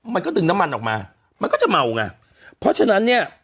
มันก็ดึงน้ำมันออกมามันก็จะเมาไงเพราะฉะนั้นเนี่ย